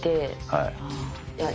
はい。